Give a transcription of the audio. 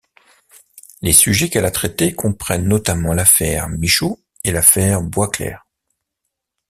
Les sujets qu'elle a traités comprennent notamment l'affaire Michaud et l'affaire Boisclair.